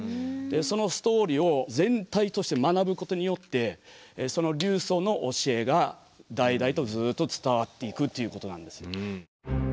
そのストーリーを全体として学ぶことによってその流祖の教えが代々とずっと伝わっていくということなんです。